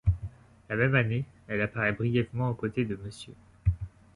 La même année, elle apparaît brièvement aux côtés de Mr.